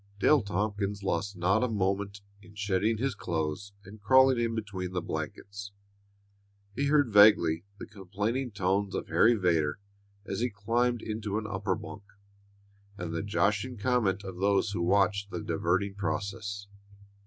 Dale Tompkins lost not a moment in shedding his clothes and crawling in between the blankets. He heard vaguely the complaining tones of Harry Vedder as he climbed into an upper bunk, and the joshing comment of those who watched the diverting process.